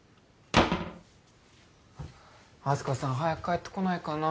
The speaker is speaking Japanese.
あす花さん早く帰ってこないかな